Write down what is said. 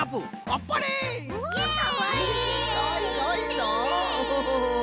かわいいぞ。